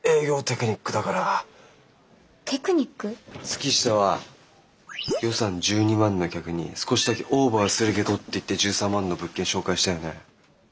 月下は予算１２万の客に「少しだけオーバーするけど」って言って１３万の物件紹介したよね？